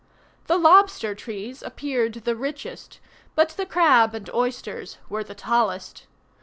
The lobster trees appeared the richest, but the crab and oysters were the tallest.